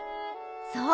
そう。